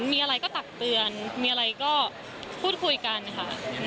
มีอะไรก็ตักเตือนมีอะไรก็พูดคุยกันค่ะ